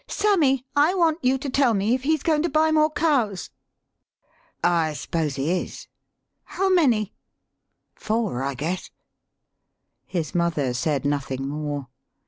" Sammy, I want you to tell me if he's goin' to buy more cows." " I s'pose he is." "How many?" "Four, I guess." His mother said nothing more.